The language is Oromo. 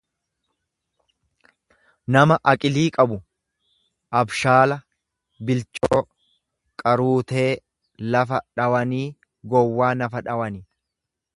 nama aqilii qabu, abshaala, bilchoo; Qaruutee lafa dhawanii gowwaa nafa dhawanii.